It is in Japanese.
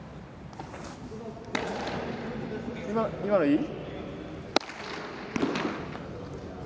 今今のいい？